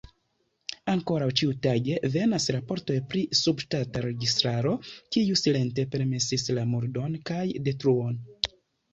Ankoraŭ ĉiutage venas raportoj pri subŝtata registaro, kiu silente permesis la murdon kaj detruon.